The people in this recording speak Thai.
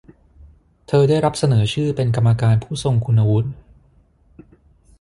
เธอได้รับเสนอชื่อเป็นกรรมการผู้ทรงคุณวุฒิ